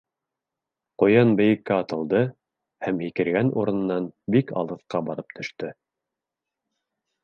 Ҡуян бейеккә атылды һәм һикергән урынынан бик алыҫҡа барып төштө.